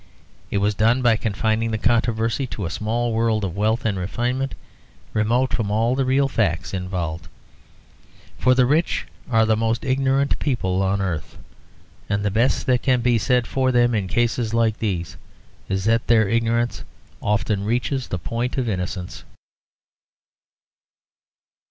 It was done by confining the controversy to a small world of wealth and refinement, remote from all the real facts involved. For the rich are the most ignorant people on earth, and the best that can be said for them, in cases like these, is that their ignorance often reaches the point of innocence.